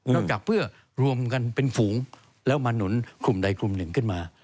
จากเพื่อรวมกันเป็นฝูงแล้วมาหนุนกลุ่มใดกลุ่มหนึ่งขึ้นมา